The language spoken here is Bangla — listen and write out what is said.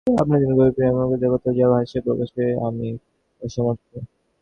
আপনার জন্য গভীর প্রেম ও কৃতজ্ঞতা, যা ভাষায় প্রকাশে আমি অসমর্থ।